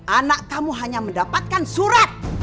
anak kamu hanya mendapatkan surat